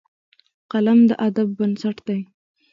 قلم د ادب بنسټ دی